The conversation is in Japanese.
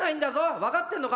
分かってんのか？